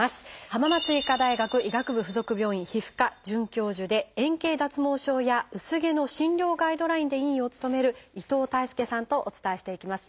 浜松医科大学医学部附属病院皮膚科准教授で円形脱毛症や薄毛の診療ガイドラインで委員を務める伊藤泰介さんとお伝えしていきます。